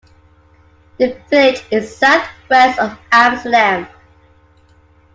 The village is southwest of Amsterdam.